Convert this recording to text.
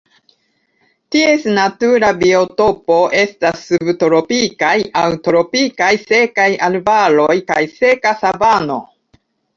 Ties natura biotopo estas subtropikaj aŭ tropikaj sekaj arbaroj kaj seka savano.